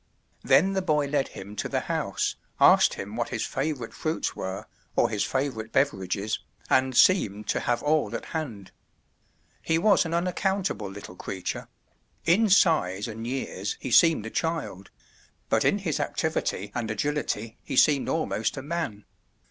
Then the boy led him to the house, asked him what his favorite fruits were, or his favorite beverages, and seemed to have all at hand. He was an unaccountable little creature; in size and years he seemed a child; but in his activity and agility he seemed almost a man.